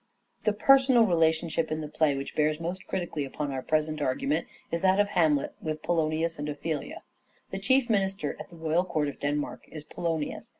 The personal relationship in the play which bears Poionius and most critically upon our present argument is that Burleigh of Hamlet with Poionius and Ophelia. The chief minister at the royal court of Denmark is Poionius.